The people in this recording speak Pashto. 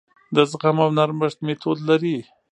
د زغم او نرمښت میتود لري.